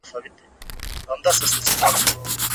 ته کوم ډول کتابونه خوښوې؟